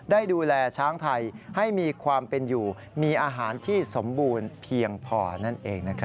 ได้ดูแลช้างไทยให้มีความเป็นอยู่มีอาหารที่สมบูรณ์เพียงพอนั่นเองนะครับ